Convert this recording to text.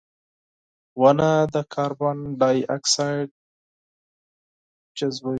• ونه د کاربن ډای اکساید جذبوي.